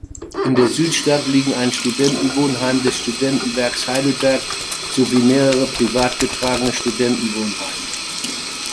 In der Südstadt liegen ein Studentenwohnheim des Studentenwerks Heidelberg sowie mehrere privat getragene Studentenwohnheime.